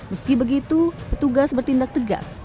meski begitu petugas bertindak tegas